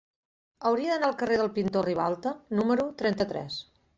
Hauria d'anar al carrer del Pintor Ribalta número trenta-tres.